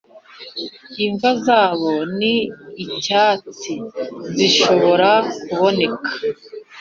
“imva zabo ni icyatsi, zishobora kuboneka.”